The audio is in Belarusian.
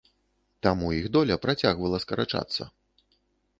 Таму іх доля працягвала скарачацца.